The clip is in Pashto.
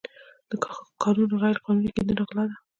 د کانونو غیرقانوني کیندنه غلا ده.